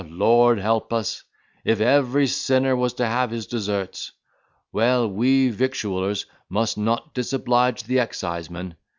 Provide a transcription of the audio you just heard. Lord help us! if every sinner was to have his deserts. Well, we victuallers must not disoblige the excisemen.